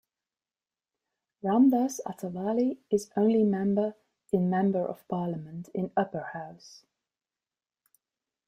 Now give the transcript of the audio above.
Ramdas Athawale is only member in Member of Parliament in Upper House.